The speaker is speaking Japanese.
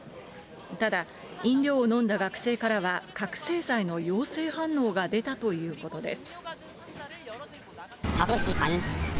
ただ、飲料を飲んだ学生からは、覚醒剤の陽性反応が出たということです。